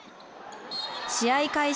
試合開始